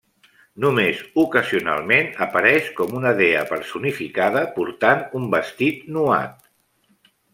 Només ocasionalment apareix com una dea personificada portant un vestit nuat.